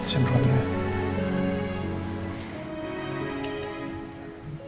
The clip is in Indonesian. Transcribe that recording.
sambung ke atre ya